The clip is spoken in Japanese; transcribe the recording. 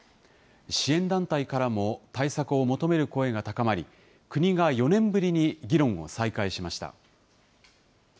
支援団体からも対策を求める声が高まり、国が４年ぶりに議論を再開しました。